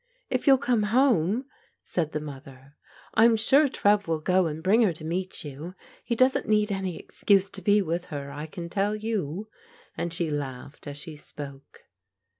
"If you'll come home," said the mother, " I'm sure Trev will go and bring her to meet you. He doesn't need any excuse to be with her, I can tell you," and she laughed as she spoke.